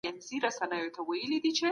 ټولنيز نظر د مذهب تر اغېزې لاندې و.